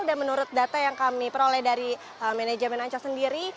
dan menurut data yang kami peroleh dari manajemen ancol sendiri